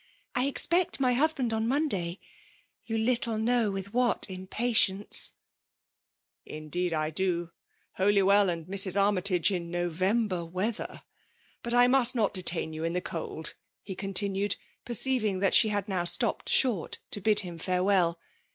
I expect my husband on Monday ;— you little know with what impatience !"" Indeed I do ! Holywell and Mrs. Army tage in November weather ! But I must not detain you in the cold/' he continued, per ceiving that she had now stopped short to bid ham fiirewell.